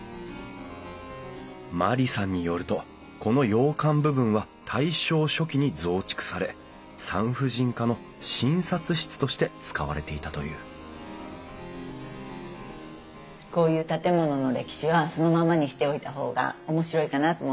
万里さんによるとこの洋館部分は大正初期に増築され産婦人科の診察室として使われていたというこういう建物の歴史はそのままにしておいた方がおもしろいかなと思って。